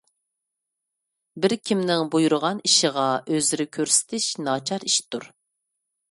بىر كىمنىڭ بۇيرۇغان ئىشىغا ئۆزرە كۆرسىتىش ناچار ئىشتۇر